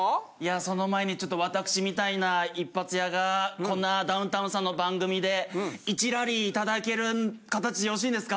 その前にちょっとわたくしみたいな一発屋がこんなダウンタウンさんの番組で１ラリー頂ける形でよろしいんですか？